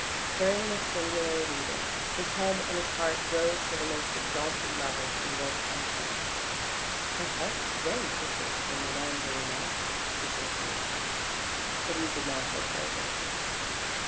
During this singular reading his head and his heart rose to the most exalted level and worked un consciously. " Her heart is very different from madame de Renal's," he said to himself, but he did not go further.